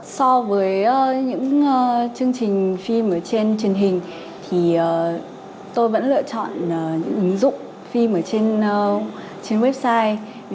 so với những chương trình phim ở trên truyền hình thì tôi vẫn lựa chọn những ứng dụng phim ở trên website